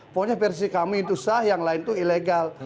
pokoknya versi kami itu sah yang lain itu ilegal